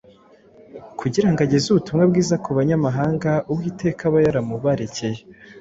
kugira ngo ageze ubutumwa bwiza ku banyamahanga, Uwiteka aba yaramubarekeye